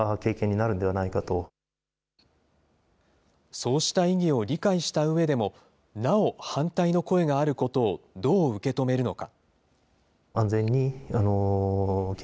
そうした意義を理解したうえでも、なお反対の声があることをどう受け止めるのか。